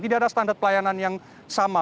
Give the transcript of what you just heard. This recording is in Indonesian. tidak ada standar pelayanan yang sama